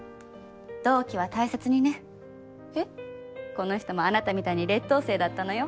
この人もあなたみたいに劣等生だったのよ。